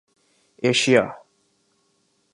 Asia